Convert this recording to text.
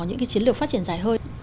những cái chiến lược phát triển dài hơi